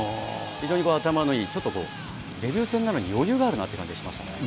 非常に頭がいい、デビュー戦なのに余裕があるなって感じがしますね。